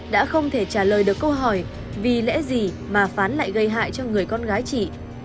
đã không thể trả lời được câu hỏi vì lẽ gì mà phán lại gây hại cho người con gái chị